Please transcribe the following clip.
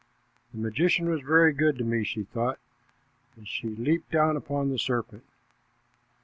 "The magician was very good to me," she thought, and she leaped down upon the serpent.